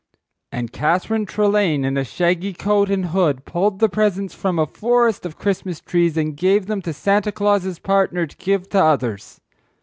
—And Catherine Trelane in a shaggy coat and hood pulled the presents from a forest of Christmas trees and gave them to Santa Claus's partner to give to others.